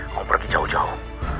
kamu pergi jauh jauh